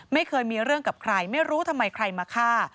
ไม่เคยมีเรื่องกับใครไม่รู้ทำไมใครมาฆ่า